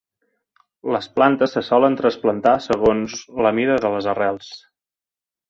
Les plantes se solen trasplantar segons la mida de les arrels.